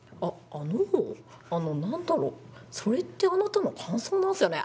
ああのあの何だろうそれってあなたの感想なんすよね。